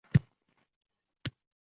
mana shu muddatlarga rioya etilmasa